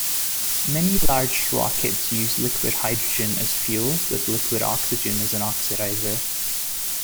Many large rockets use liquid hydrogen as fuel, with liquid oxygen as an oxidizer.